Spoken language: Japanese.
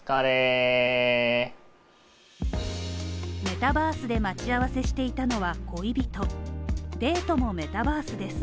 メタバースで待ち合わせしていたのは恋人デートもメタバースです。